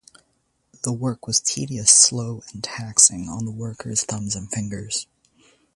The work was tedious, slow and taxing on the worker's thumbs and fingers.